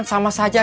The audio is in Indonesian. terima kasih ip